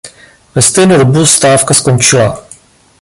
Ve stejnou dobu stávka skončila.